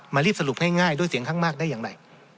รีบสรุปให้ง่ายด้วยเสียงข้างมากได้อย่างไร